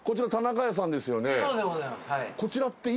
そうでございますはい。